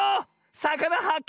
さかなはっけ